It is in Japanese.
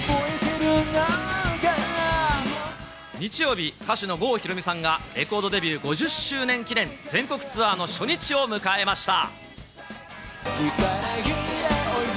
日曜日、歌手の郷ひろみさんが、レコードデビュー５０周年記念全国ツアーの初日を迎えました。